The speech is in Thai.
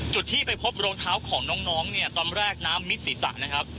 จุดที่ไปพบรองเท้าของน้องเนี่ยตอนแรกน้ำมิดศีรษะนะครับ